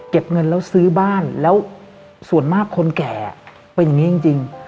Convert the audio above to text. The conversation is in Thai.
เงินแล้วซื้อบ้านแล้วส่วนมากคนแก่เป็นอย่างนี้จริง